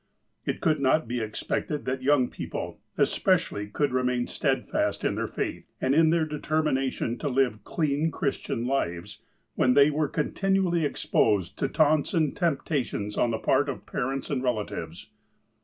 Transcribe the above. It could not be expected that young people, especially, could remain steadfast in their faith, and in their de termination to live clean Christian lives, when they were continually exposed to taunts and temptations on the part of parents and relatives.